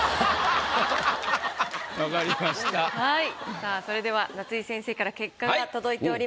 さあそれでは夏井先生から結果が届いております。